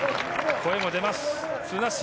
声も出ます。